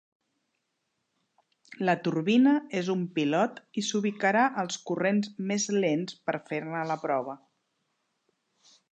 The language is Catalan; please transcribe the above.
La turbina és un pilot i s'ubicarà als corrents més lents per fer-ne la prova.